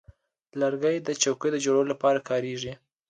لرګی د چوکۍ جوړولو لپاره کارېږي.